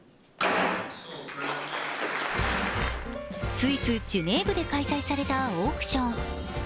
スイス・ジュネーブで開催されたオークション。